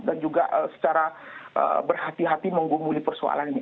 dan juga secara berhati hati menggumuli persoalan ini